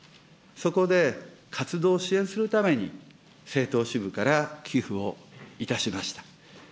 そこで活動を支援するために政党支部から寄付をいたしました。